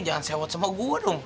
jangan sewot sama gua dong